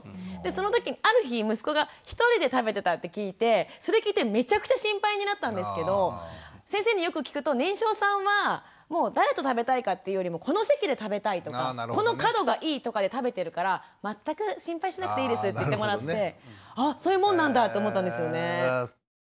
その時ある日息子がひとりで食べてたって聞いてそれ聞いてめちゃくちゃ心配になったんですけど先生によく聞くと年少さんは誰と食べたいかっていうよりもこの席で食べたいとかこの角がいいとかで食べてるから全く心配しなくていいですって言ってもらってあっそういうもんなんだって思ったんですよね。